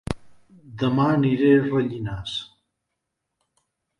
Dema aniré a Rellinars